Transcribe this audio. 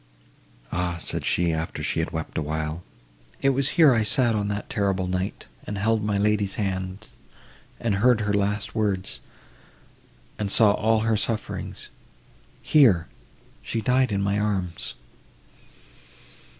"Ah!" said she, after she had wept awhile, "it was here I sat on that terrible night, and held my lady's hand, and heard her last words, and saw all her sufferings—here she died in my arms!"